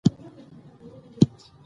اداري ارګان د قانون له مخې محدود دی.